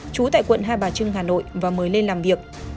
trú tại quận hai bà trưng hà nội và mời lên làm việc